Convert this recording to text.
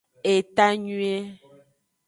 Etanyuie.